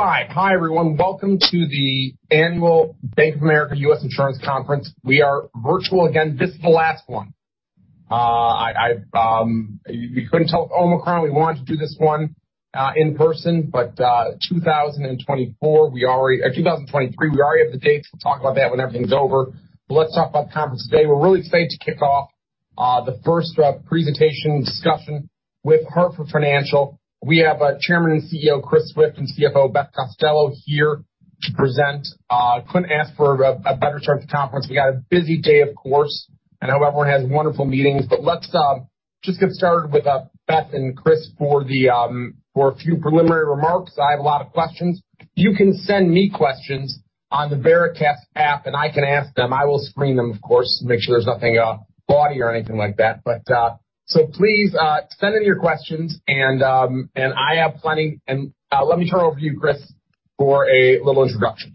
Hi everyone. Welcome to the annual Bank of America Securities 2022 Insurance Conference. We are virtual again. This is the last one. We couldn't tell with Omicron, we wanted to do this one in person, but 2023, we already have the dates. We'll talk about that when everything's over. Let's talk about the conference today. We're really excited to kick off the first presentation discussion with Hartford Financial. We have Chairman and CEO, Chris Swift, and CFO, Beth Costello, here to present. Couldn't ask for a better start to the conference. We got a busy day, of course. I know everyone has wonderful meetings, but let's just get started with Beth and Chris for a few preliminary remarks. I have a lot of questions. You can send me questions on the Veracast app, and I can ask them. I will screen them, of course, to make sure there's nothing bawdy or anything like that. Please send in your questions, and I have plenty. Let me turn it over to you, Chris, for a little introduction.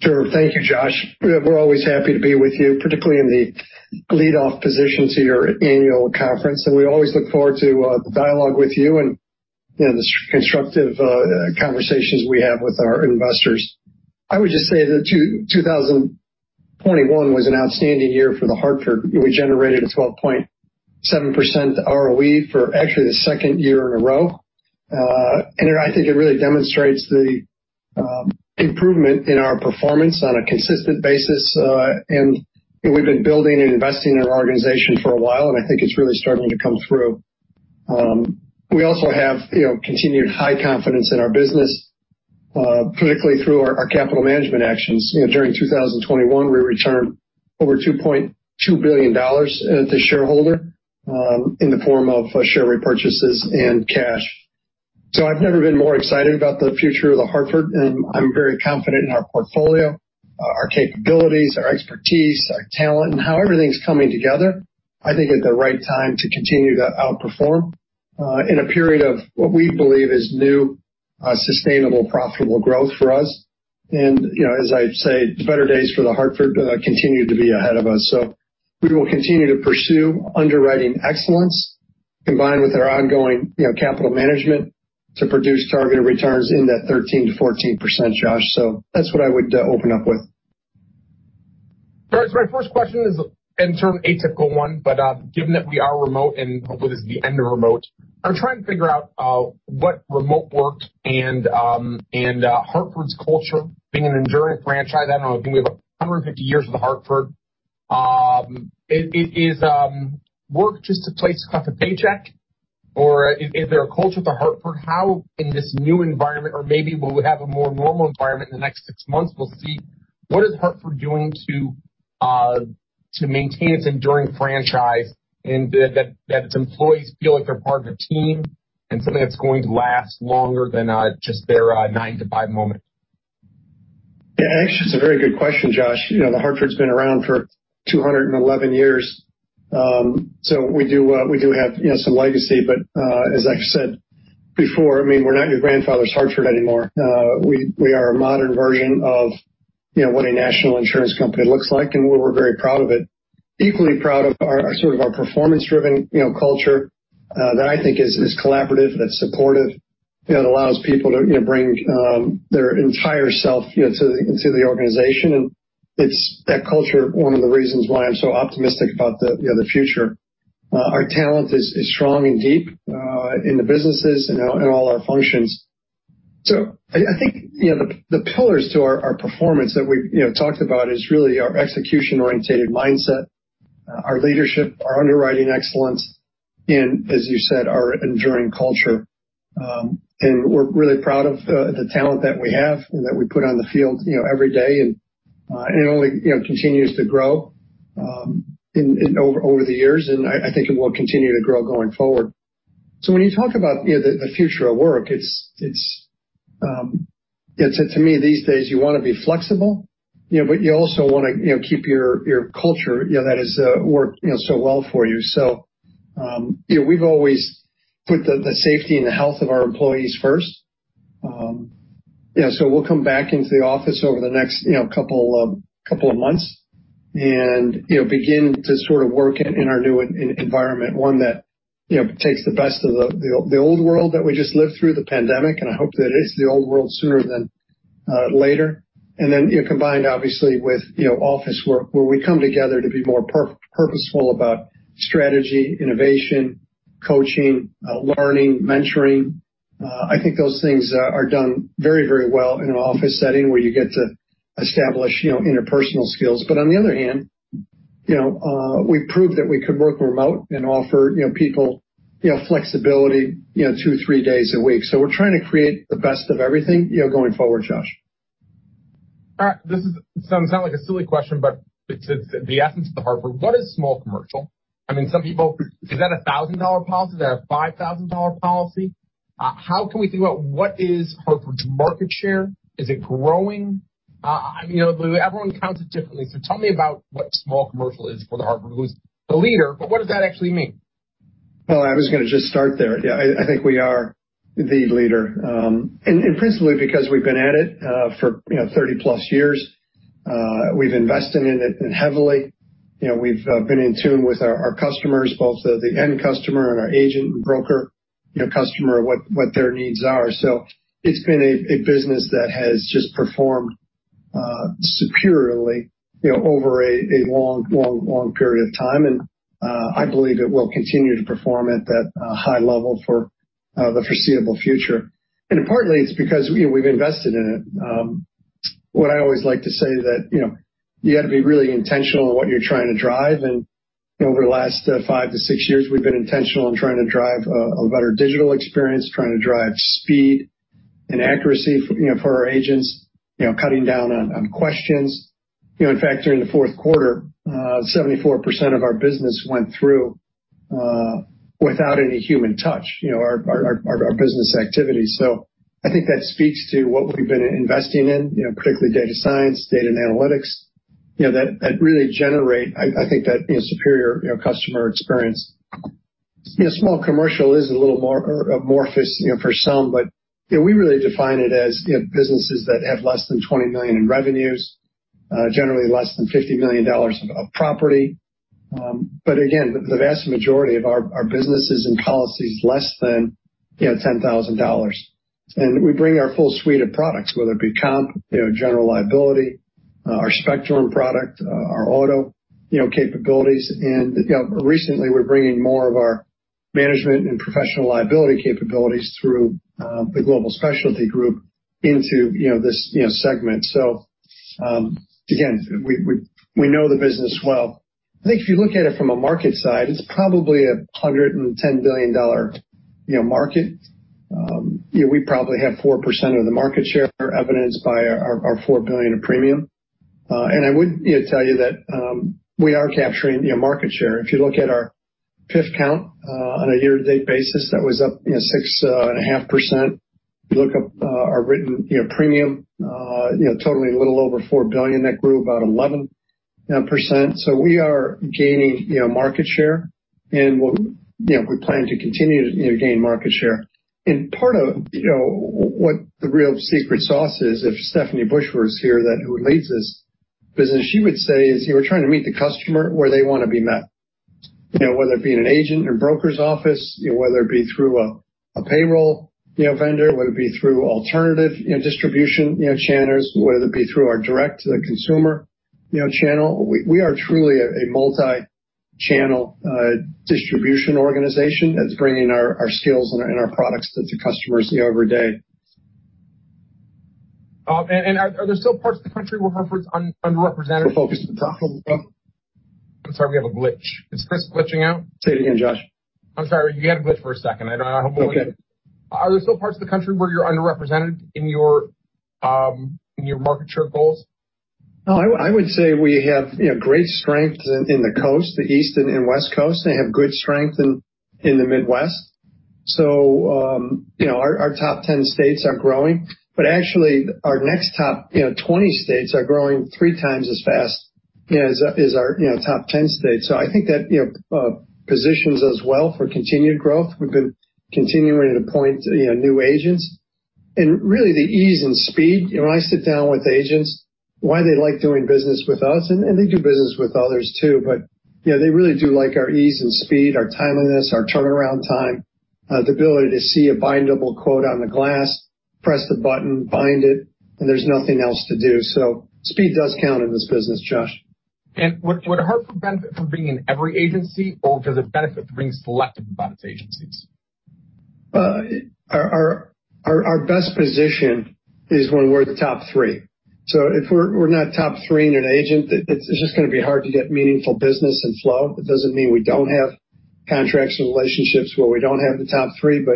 Sure. Thank you, Josh. We're always happy to be with you, particularly in the lead-off position to your annual conference. We always look forward to the dialogue with you and the constructive conversations we have with our investors. I would just say that 2021 was an outstanding year for The Hartford. We generated a 12.7% ROE for actually the second year in a row. I think it really demonstrates the improvement in our performance on a consistent basis. We've been building and investing in our organization for a while, and I think it's really starting to come through. We also have continued high confidence in our business, particularly through our capital management actions. During 2021, we returned over $2.2 billion to shareholder in the form of share repurchases and cash. I've never been more excited about the future of The Hartford, and I'm very confident in our portfolio, our capabilities, our expertise, our talent, and how everything's coming together. I think at the right time to continue to outperform, in a period of what we believe is new, sustainable, profitable growth for us. As I say, the better days for The Hartford continue to be ahead of us. We will continue to pursue underwriting excellence, combined with our ongoing capital management to produce targeted returns in that 13%-14%, Josh. That's what I would open up with. My first question is in term, atypical one. Given that we are remote and hopefully this is the end of remote, I'm trying to figure out what remote worked and The Hartford's culture being an enduring franchise. I think we have 150 years with The Hartford. Is work just a place to collect a paycheck? Is there a culture at The Hartford how in this new environment, or maybe we'll have a more normal environment in the next six months, we'll see. What is The Hartford doing to maintain its enduring franchise and that its employees feel like they're part of a team and something that's going to last longer than just their nine to five moment? Actually, it's a very good question, Josh. The Hartford's been around for 211 years. We do have some legacy. As I said before, we're not your grandfather's Hartford anymore. We are a modern version of what a national insurance company looks like, and we're very proud of it. Equally proud of our performance-driven culture that I think is collaborative, that's supportive, that allows people to bring their entire self into the organization. It's that culture, one of the reasons why I'm so optimistic about the future. Our talent is strong and deep in the businesses and all our functions. I think the pillars to our performance that we've talked about is really our execution-oriented mindset, our leadership, our underwriting excellence, and as you said, our enduring culture. We're really proud of the talent that we have. That we put on the field every day, and it only continues to grow over the years. I think it will continue to grow going forward. When you talk about the future of work, to me, these days, you want to be flexible. You also want to keep your culture that has worked so well for you. We've always put the safety and the health of our employees first. We'll come back into the office over the next couple of months. Begin to sort of work in our new environment, one that takes the best of the old world that we just lived through, the pandemic. I hope that it is the old world sooner than later. Combined, obviously, with office work where we come together to be more purposeful about strategy, innovation, coaching, learning, mentoring. I think those things are done very well in an office setting where you get to establish interpersonal skills. On the other hand, we proved that we could work remote and offer people flexibility two, three days a week. We're trying to create the best of everything going forward, Josh. All right. This sounds like a silly question, but it's the essence of The Hartford. What is small commercial? I mean, some people, is that a $1,000 policy? Is that a $5,000 policy? How can we think about what is Hartford's market share? Is it growing? Everyone counts it differently. Tell me about what small commercial is for The Hartford, who's the leader, but what does that actually mean? Well, I was going to just start there. I think we are the leader. Principally because we've been at it for 30 plus years. We've invested in it heavily. We've been in tune with our customers, both the end customer and our agent and broker customer, what their needs are. It's been a business that has just performed superiorly over a long period of time. I believe it will continue to perform at that high level for the foreseeable future. Partly it's because we've invested in it. What I always like to say is that you got to be really intentional in what you're trying to drive. Over the last five to six years, we've been intentional in trying to drive a better digital experience, trying to drive speed and accuracy for our agents, cutting down on questions. In fact, during the fourth quarter, 74% of our business went through without any human touch, our business activity. I think that speaks to what we've been investing in, particularly data science, data and analytics, that really generate, I think, that superior customer experience. Small commercial is a little amorphous for some, but we really define it as businesses that have less than $20 million in revenues, generally less than $50 million of property. But again, the vast majority of our business is in policies less than $10,000. We bring our full suite of products, whether it be comp, general liability, our Spectrum product, our auto capabilities. Recently we're bringing more of our management and professional liability capabilities through the Global Specialty into this segment. Again, we know the business well. I think if you look at it from a market side, it's probably a $110 billion market. We probably have 4% of the market share evidenced by our $4 billion of premium. I would tell you that we are capturing market share. If you look at our PIF count on a year-to-date basis, that was up 6.5%. If you look up our written premium, totally a little over $4 billion, that grew about 11%. We are gaining market share. We plan to continue to gain market share. Part of what the real secret sauce is, if Stephanie Bush were here, who leads this business, she would say is we're trying to meet the customer where they want to be met, whether it be in an agent or broker's office, whether it be through a payroll vendor, whether it be through alternative distribution channels, whether it be through our direct consumer channel. We are truly a multi-channel distribution organization that's bringing our skills and our products to customers every day. Are there still parts of the country where Hartford's underrepresented? We're focused on the top- I'm sorry, we have a glitch. Is Chris glitching out? Say it again, Josh. I'm sorry. You had a glitch for a second. I hope. Okay. Are there still parts of the country where you're underrepresented in your market share goals? I would say we have great strength in the Coast, the East and West Coast. I have good strength in the Midwest. Our top 10 states are growing. Actually, our next top 20 states are growing three times as fast as our top 10 states. I think that positions us well for continued growth. We've been continuing to appoint new agents. Really the ease and speed. When I sit down with agents, why they like doing business with us, and they do business with others too, but they really do like our ease and speed, our timeliness, our turnaround time, the ability to see a bindable quote on the glass, press the button, bind it, and there's nothing else to do. Speed does count in this business, Josh. Would Hartford benefit from being in every agency, or does it benefit from being selective about its agencies? Our best position is when we're the top three. If we're not top three in an agent, it's just going to be hard to get meaningful business and flow. It doesn't mean we don't have contracts and relationships where we don't have the top three.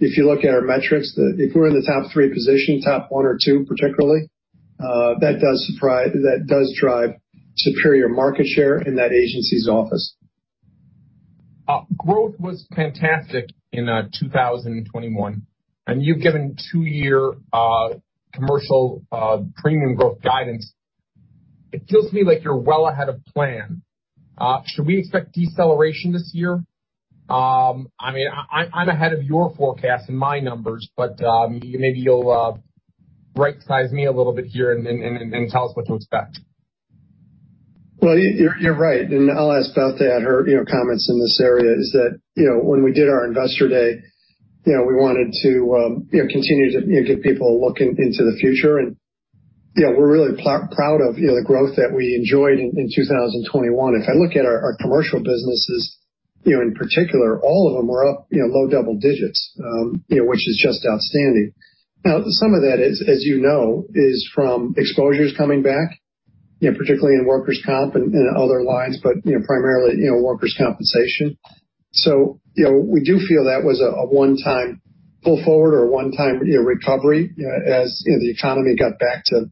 If you look at our metrics, if we're in the top three position, top one or two particularly, that does drive superior market share in that agency's office. Growth was fantastic in 2021, you've given two-year commercial premium growth guidance. It feels to me like you're well ahead of plan. Should we expect deceleration this year? I'm ahead of your forecast in my numbers, but maybe you'll right-size me a little bit here and tell us what to expect. Well, you're right, I'll ask Beth to add her comments in this area, is that when we did our investor day, we wanted to continue to give people a look into the future. We're really proud of the growth that we enjoyed in 2021. If I look at our commercial businesses, in particular, all of them were up low double digits, which is just outstanding. Now, some of that, as you know, is from exposures coming back, particularly in workers' comp and other lines, but primarily workers' compensation. We do feel that was a one-time pull forward or a one-time recovery as the economy got back to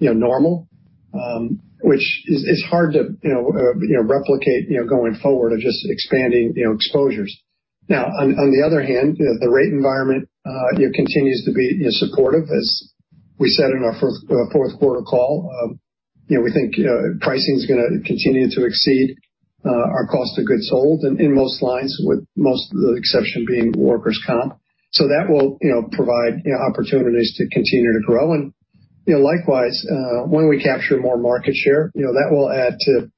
normal, which is hard to replicate going forward of just expanding exposures. Now, on the other hand, the rate environment continues to be supportive, as we said in our fourth quarter call. We think pricing is going to continue to exceed our cost of goods sold in most lines, with most of the exception being workers' comp. That will provide opportunities to continue to grow. Likewise, when we capture more market share, that will add to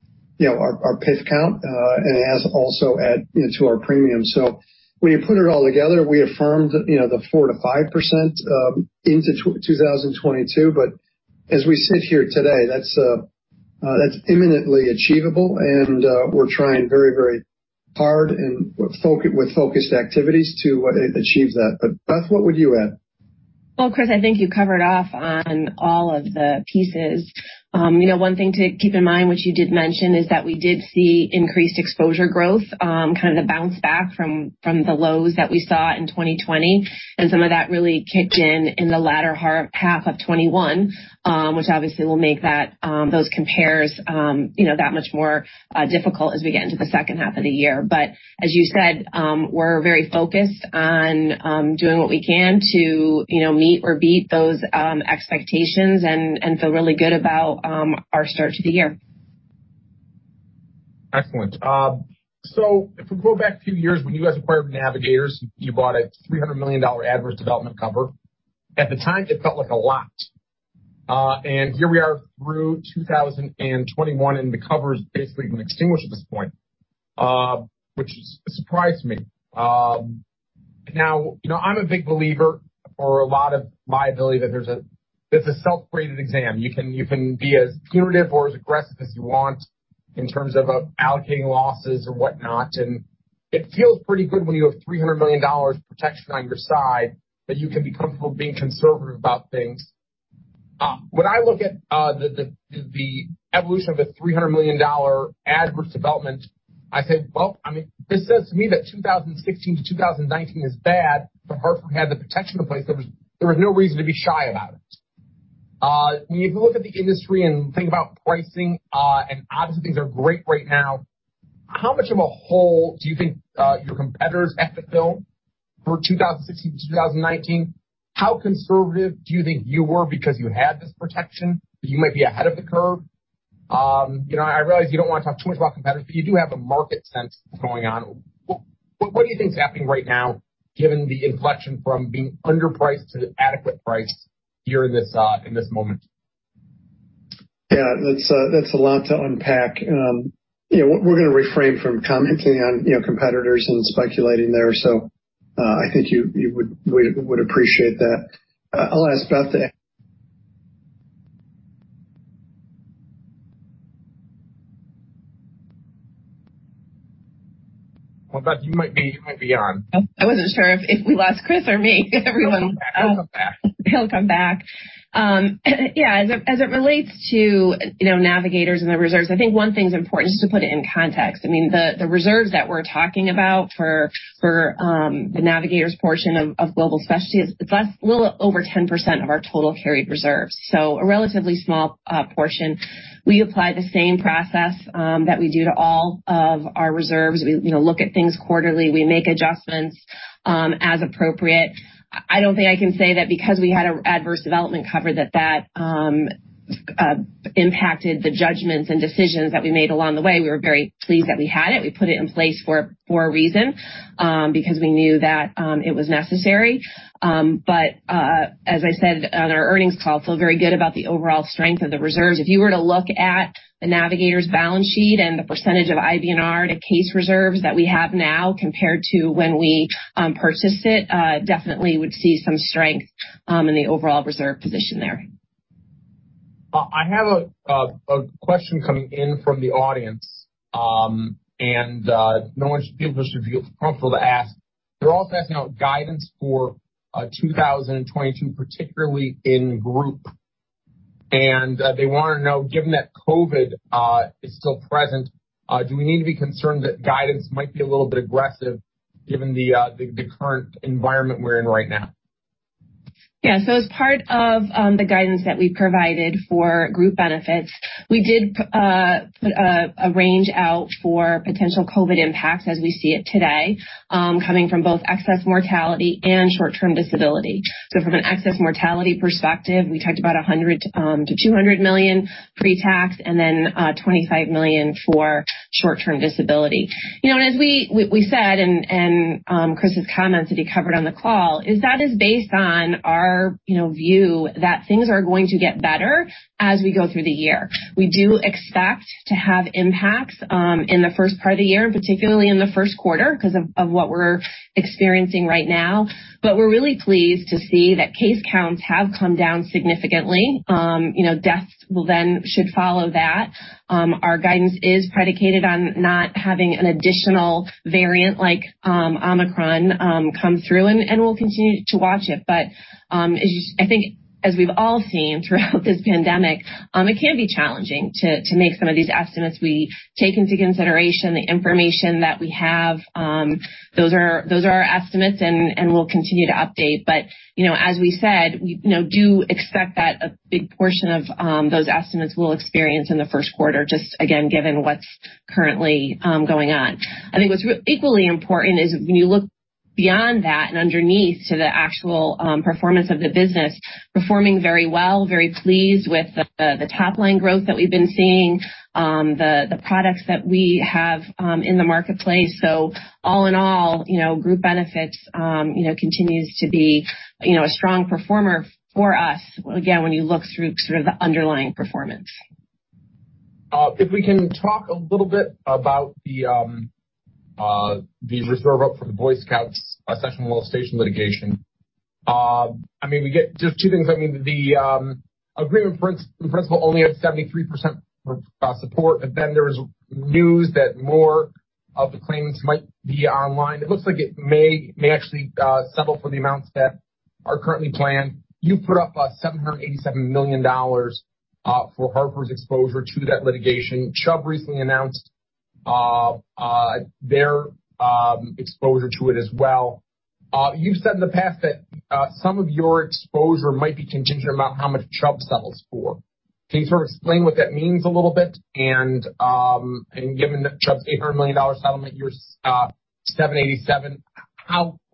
our PIF count, and it has also add into our premium. When you put it all together, we affirmed the 4%-5% into 2022. As we sit here today, that's imminently achievable, and we're trying very, very hard and with focused activities to achieve that. Beth, what would you add? Well, Chris, I think you covered off on all of the pieces. One thing to keep in mind, which you did mention, is that we did see increased exposure growth, kind of the bounce back from the lows that we saw in 2020. Some of that really kicked in the latter half of 2021, which obviously will make those compares that much more difficult as we get into the second half of the year. As you said, we're very focused on doing what we can to meet or beat those expectations and feel really good about our start to the year. Excellent. If we go back a few years when you guys acquired Navigators, you bought a $300 million adverse development cover. At the time, it felt like a lot. Here we are through 2021, and the cover has basically been extinguished at this point, which surprised me. I'm a big believer for a lot of liability that it's a self-graded exam. You can be as punitive or as aggressive as you want in terms of allocating losses or whatnot. It feels pretty good when you have $300 million protection on your side, that you can be comfortable being conservative about things. When I look at the evolution of the $300 million adverse development, I say, well, this says to me that 2016-2019 is bad, but Hartford had the protection in place. There was no reason to be shy about it. When you look at the industry and think about pricing, and obviously things are great right now, how much of a hole do you think your competitors have to fill for 2016-2019? How conservative do you think you were because you had this protection, that you might be ahead of the curve? I realize you don't want to talk too much about competitors, but you do have the market sense going on. What do you think is happening right now, given the inflection from being underpriced to adequate price here in this moment? Yeah, that's a lot to unpack. We're going to refrain from commenting on competitors and speculating there. I think you would appreciate that. I'll ask Beth that. Well, Beth, you might be on. I wasn't sure if we lost Chris or me, everyone. He'll come back. He'll come back. As it relates to Navigators and the reserves, I think one thing's important, just to put it in context. The reserves that we're talking about for the Navigators portion of Global Specialty is a little over 10% of our total carried reserves. A relatively small portion. We apply the same process that we do to all of our reserves. We look at things quarterly. We make adjustments as appropriate. I don't think I can say that because we had adverse development cover that impacted the judgments and decisions that we made along the way. We were very pleased that we had it. We put it in place for a reason, because we knew that it was necessary. As I said on our earnings call, feel very good about the overall strength of the reserves. If you were to look at the Navigators balance sheet and the percentage of IBNR to case reserves that we have now compared to when we purchased it, definitely would see some strength in the overall reserve position there. I have a question coming in from the audience, and no one should feel comfortable to ask. They're also asking about guidance for 2022, particularly in Group. They want to know, given that COVID is still present, do we need to be concerned that guidance might be a little bit aggressive given the current environment we're in right now? As part of the guidance that we provided for Group Benefits, we did put a range out for potential COVID impacts as we see it today, coming from both excess mortality and short-term disability. From an excess mortality perspective, we talked about $100 million-$200 million pre-tax, and then $25 million for short-term disability. As we said, and Chris's comments that he covered on the call, is that is based on our view that things are going to get better as we go through the year. We do expect to have impacts in the first part of the year, and particularly in the first quarter because of what we're experiencing right now. We're really pleased to see that case counts have come down significantly. Deaths will then should follow that. Our guidance is predicated on not having an additional variant like Omicron come through, and we'll continue to watch it. I think as we've all seen throughout this pandemic, it can be challenging to make some of these estimates. We take into consideration the information that we have. Those are our estimates, and we'll continue to update. As we said, we do expect that a big portion of those estimates we'll experience in the first quarter, just again, given what's currently going on. I think what's equally important is when you look beyond that and underneath to the actual performance of the business, performing very well, very pleased with the top-line growth that we've been seeing, the products that we have in the marketplace. All in all, Group Benefits continues to be a strong performer for us, again, when you look through sort of the underlying performance. If we can talk a little bit about the reserve up for the Boy Scouts sexual molestation litigation. Just two things. The agreement, in principle, only had 73% support. There was news that more of the claimants might be online. It looks like it may actually settle for the amounts that are currently planned. You've put up $787 million for The Hartford's exposure to that litigation. Chubb recently announced their exposure to it as well. You've said in the past that some of your exposure might be contingent on how much Chubb settles for. Can you sort of explain what that means a little bit? Given Chubb's $800 million settlement, your $787 million,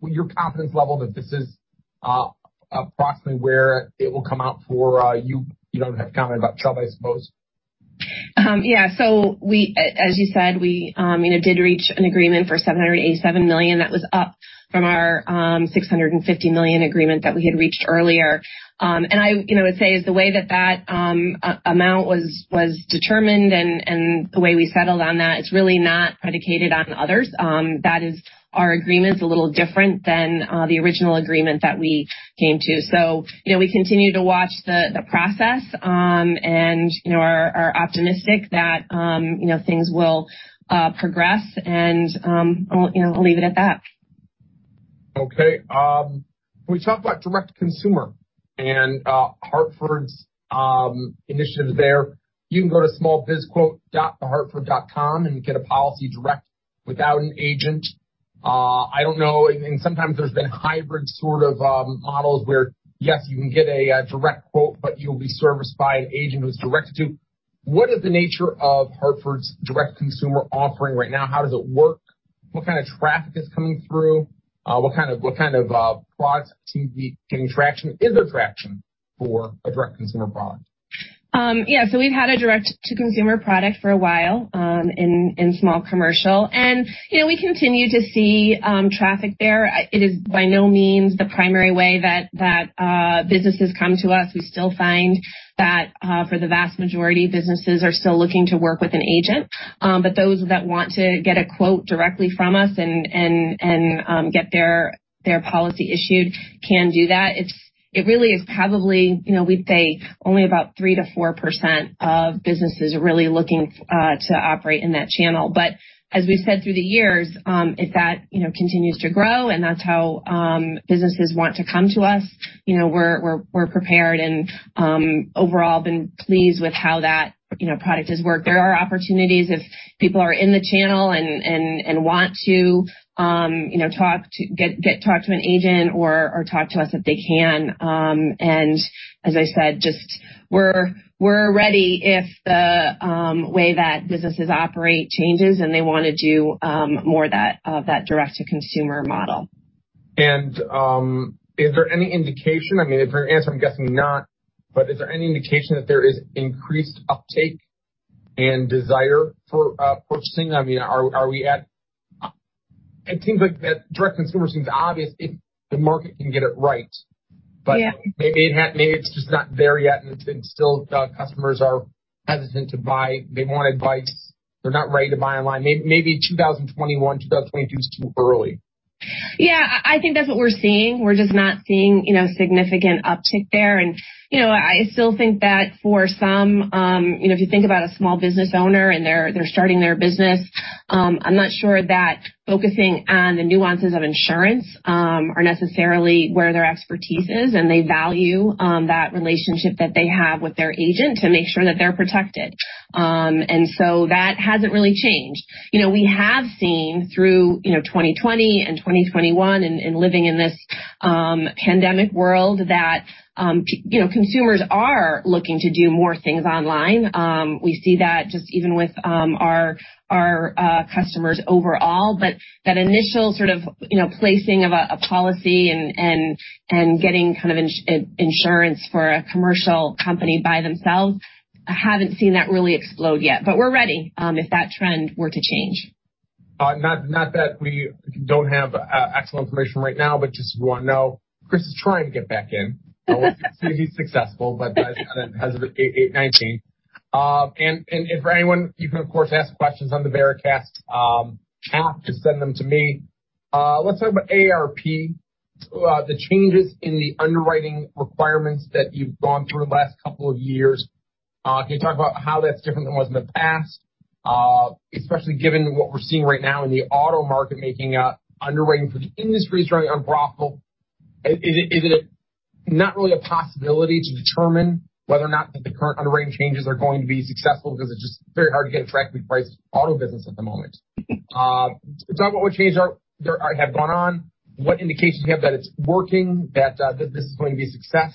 your confidence level that this is approximately where it will come out for you. You don't have to comment about Chubb, I suppose. Yeah. As you said, we did reach an agreement for $787 million. That was up from our $650 million agreement that we had reached earlier. And I would say, is the way that that amount was determined and the way we settled on that, it's really not predicated on others. Our agreement's a little different than the original agreement that we came to. We continue to watch the process, and we're optimistic that things will progress and I'll leave it at that. Okay. Can we talk about direct-to-consumer and The Hartford's initiatives there? You can go to smallbizquote.hartford.com and get a policy direct without an agent. I don't know. Sometimes there's been hybrid sort of models where, yes, you can get a direct quote, but you'll be serviced by an agent who's direct too. What is the nature of The Hartford's direct consumer offering right now? How does it work? What kind of traffic is coming through? What kind of product seems to be getting traction? Is there traction for a direct consumer product? Yeah. We've had a direct-to-consumer product for a while in small commercial. We continue to see traffic there. It is by no means the primary way that businesses come to us. We still find that for the vast majority, businesses are still looking to work with an agent. Those that want to get a quote directly from us and get their policy issued can do that. It really is probably, we'd say, only about 3%-4% of businesses are really looking to operate in that channel. As we've said through the years, if that continues to grow and that's how businesses want to come to us, we're prepared and overall been pleased with how that product has worked. There are opportunities if people are in the channel and want to talk to an agent or talk to us if they can. As I said, just we're ready if the way that businesses operate changes and they want to do more of that direct-to-consumer model. Is there any indication, if your answer, I'm guessing not, but is there any indication that there is increased uptake and desire for purchasing? It seems like that direct consumer seems obvious if the market can get it right. Yeah. Maybe it's just not there yet, and it's been still customers are hesitant to buy. They want advice. They're not ready to buy online. Maybe 2021, 2022 is too early. Yeah. I think that's what we're seeing. We're just not seeing significant uptick there. I still think that for some, if you think about a small business owner and they're starting their business, I'm not sure that focusing on the nuances of insurance are necessarily where their expertise is, and they value that relationship that they have with their agent to make sure that they're protected. That hasn't really changed. We have seen through 2020 and 2021 and living in this pandemic world that consumers are looking to do more things online. We see that just even with our customers overall, but that initial sort of placing of a policy and getting kind of insurance for a commercial company by themselves, I haven't seen that really explode yet. We're ready, if that trend were to change. Not that we don't have excellent information right now, but just want to know. Chris is trying to get back in. We'll see if he's successful, but that's kind of as of 8:19. For anyone, you can, of course, ask questions on the Veracast app to send them to me. Let's talk about AARP, the changes in the underwriting requirements that you've gone through the last couple of years. Can you talk about how that's different than it was in the past? Especially given what we're seeing right now in the auto market making underwriting for the industry is very unprofitable. Is it not really a possibility to determine whether or not that the current underwriting changes are going to be successful because it's just very hard to get a correctly priced auto business at the moment? Can you talk about what changes have gone on, what indications you have that it's working, that this is going to be a success?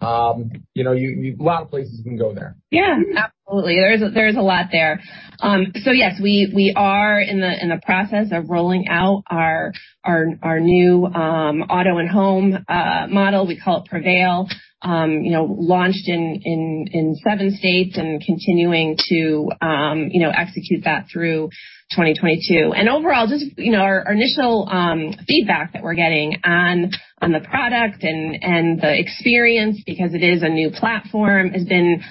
A lot of places you can go there. Yeah, absolutely. There's a lot there. Yes, we are in the process of rolling out our new auto and home model. We call it Prevail. Launched in seven states, continuing to execute that through 2022. Overall, just our initial feedback that we're getting on the product and the experience, because it is a new platform, has been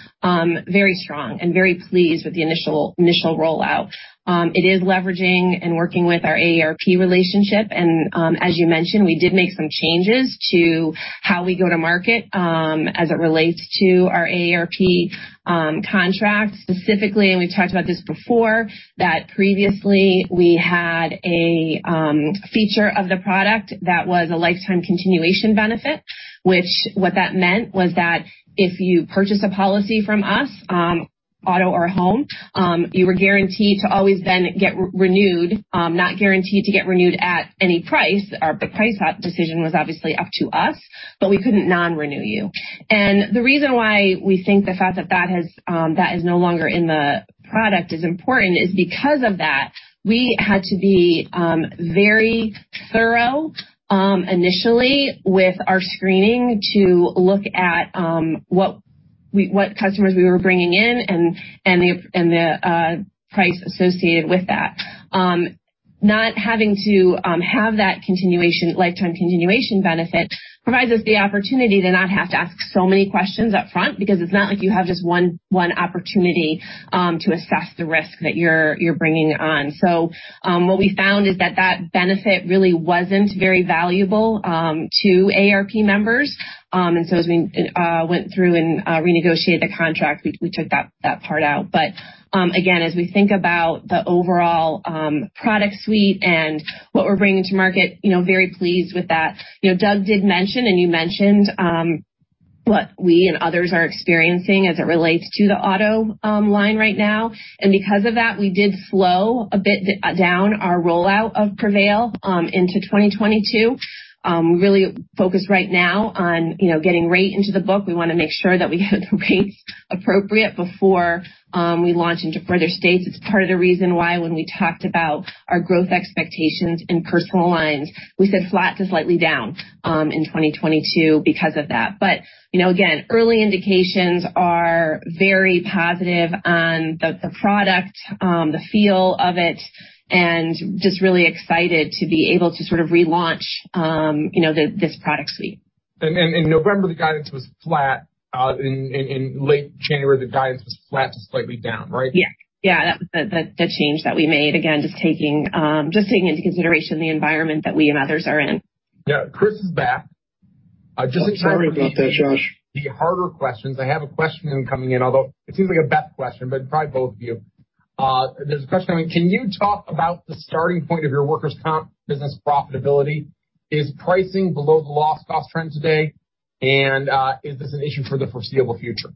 very strong and very pleased with the initial rollout. It is leveraging and working with our AARP relationship and, as you mentioned, we did make some changes to how we go to market as it relates to our AARP contract specifically. We've talked about this before, that previously we had a feature of the product that was a lifetime continuation benefit. Which, what that meant was that if you purchase a policy from us, auto or home, you were guaranteed to always then get renewed. Not guaranteed to get renewed at any price. The price decision was obviously up to us, but we couldn't non-renew you. The reason why we think the fact that has that is no longer in the product is important is because of that, we had to be very thorough initially with our screening to look at what customers we were bringing in and the price associated with that. Not having to have that lifetime continuation benefit provides us the opportunity to not have to ask so many questions up front, because it's not like you have just one opportunity to assess the risk that you're bringing on. What we found is that benefit really wasn't very valuable to AARP members. As we went through and renegotiated the contract, we took that part out. Again, as we think about the overall product suite and what we're bringing to market, very pleased with that. Doug did mention, and you mentioned, what we and others are experiencing as it relates to the auto line right now. Because of that, we did slow a bit down our rollout of Prevail into 2022. We're really focused right now on getting rate into the book. We want to make sure that we have the rates appropriate before we launch into further states. It's part of the reason why when we talked about our growth expectations in personal lines, we said flat to slightly down in 2022 because of that. Again, early indications are very positive on the product, the feel of it, and just really excited to be able to sort of relaunch this product suite. In November, the guidance was flat. In late January, the guidance was flat to slightly down, right? Yeah. That was the change that we made. Again, just taking into consideration the environment that we and others are in. Yeah. Chris is back. Just in terms of- Sorry about that, Josh. the harder questions. I have a question coming in, although it seems like a Beth question, but probably both of you. There's a question. Can you talk about the starting point of your workers' comp business profitability? Is pricing below the loss cost trend today? Is this an issue for the foreseeable future?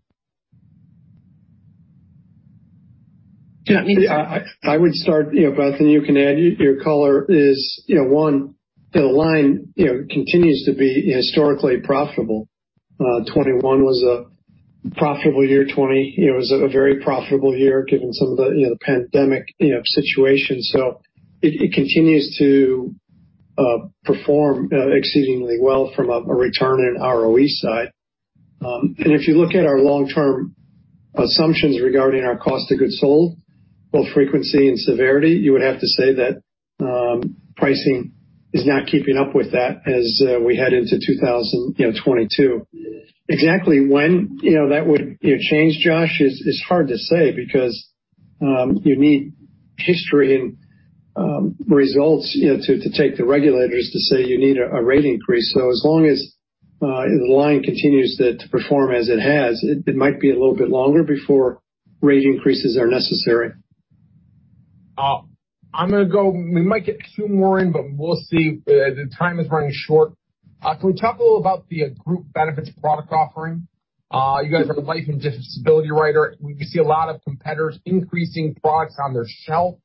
Yeah. I would start, Beth, you can add. Your color is, one, the line continues to be historically profitable. 21 was a profitable year, 20 was a very profitable year given some of the pandemic situation. It continues to perform exceedingly well from a return and ROE side. If you look at our long-term assumptions regarding our cost of goods sold, both frequency and severity, you would have to say that pricing is not keeping up with that as we head into 2022. Exactly when that would change, Josh, is hard to say because you need history and results to take the regulators to say you need a rate increase. As long as the line continues to perform as it has, it might be a little bit longer before rate increases are necessary. I'm going to go. We might get two more in, but we'll see. The time is running short. Can we talk a little about the Group Benefits product offering? You guys are the life and disability writer. We see a lot of competitors increasing products on their shelf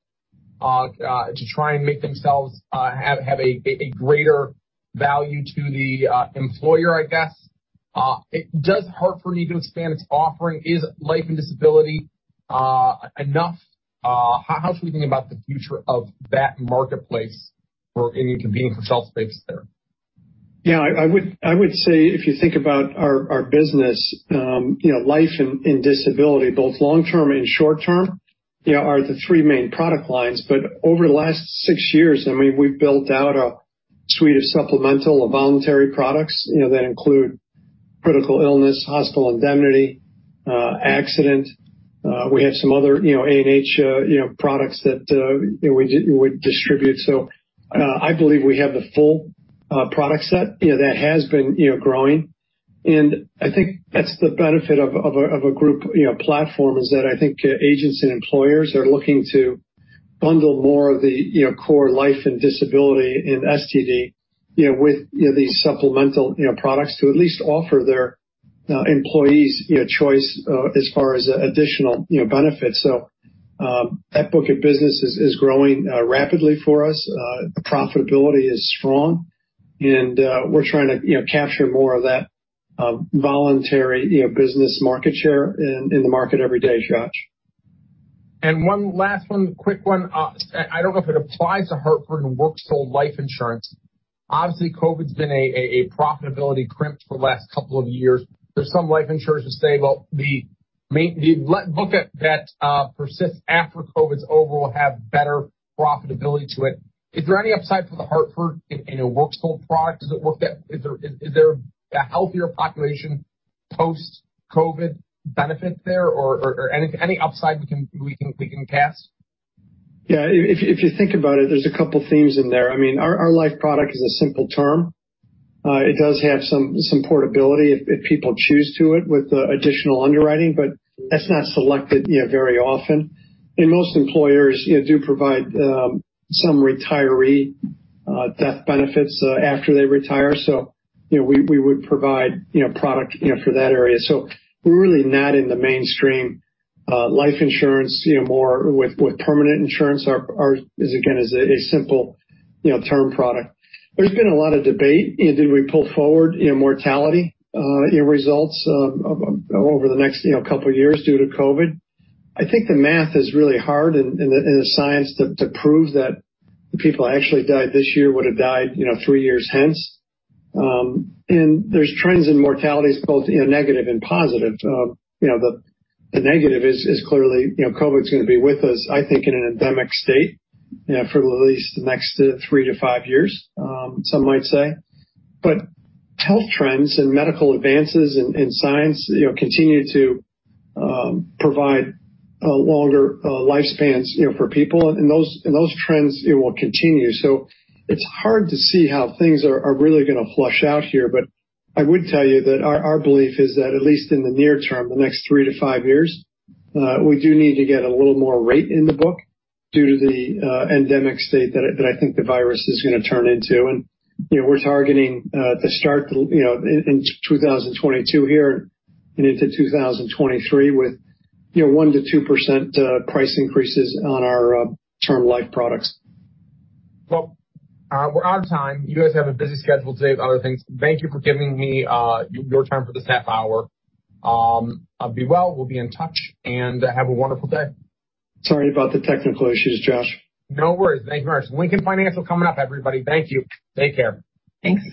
to try and make themselves have a greater value to the employer, I guess. Does Hartford need to expand its offering? Is life and disability enough? How should we think about the future of that marketplace for any competing for shelf space there? Yeah, I would say if you think about our business, life and disability, both long-term and short-term, are the three main product lines. Over the last six years, we've built out a suite of supplemental or voluntary products that include critical illness, hospital indemnity, accident. We have some other A&H products that we would distribute. I believe we have the full product set that has been growing. I think that's the benefit of a group platform, is that I think agents and employers are looking to bundle more of the core life and disability and STD with these supplemental products to at least offer their employees choice as far as additional benefits. That book of business is growing rapidly for us. The profitability is strong, and we're trying to capture more of that voluntary business market share in the market every day, Josh. One last one, quick one. I don't know if it applies to Hartford and works for life insurance. Obviously, COVID's been a profitability crimp for the last couple of years. There's some life insurers who say, "Well, the book that persists after COVID's over will have better profitability to it." Is there any upside for The Hartford in a works sold product? Is there a healthier population post-COVID benefit there, or any upside we can cast? Yeah. If you think about it, there's a couple themes in there. Our life product is a simple term. It does have some portability if people choose to it with additional underwriting, but that's not selected very often. Most employers do provide some retiree death benefits after they retire, so we would provide product for that area. We're really not in the mainstream life insurance, more with permanent insurance, ours, again, is a simple term product. There's been a lot of debate. Did we pull forward mortality results over the next couple of years due to COVID? I think the math is really hard and the science to prove that the people who actually died this year would have died three years hence. There's trends in mortalities, both negative and positive. The negative is clearly COVID's going to be with us, I think, in an endemic state for at least the next three to five years, some might say. Health trends and medical advances in science continue to provide longer lifespans for people, and those trends will continue. It's hard to see how things are really going to flush out here. I would tell you that our belief is that at least in the near term, the next three to five years, we do need to get a little more rate in the book due to the endemic state that I think the virus is going to turn into. We're targeting the start in 2022 here and into 2023 with 1%-2% price increases on our term life products. Well, we're out of time. You guys have a busy schedule today with other things. Thank you for giving me your time for this half hour. Be well, we'll be in touch, and have a wonderful day. Sorry about the technical issues, Josh. No worries. Thank you very much. Lincoln Financial coming up, everybody. Thank you. Take care. Thanks.